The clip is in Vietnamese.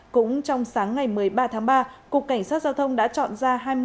cũng trong sáng ngày một mươi ba tháng ba cục cảnh sát giao thông đã chọn ra